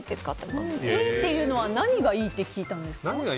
いいというのは何がいいと聞いたんですか？